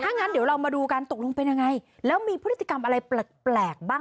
งั้นเดี๋ยวเรามาดูกันตกลงเป็นยังไงแล้วมีพฤติกรรมอะไรแปลกบ้าง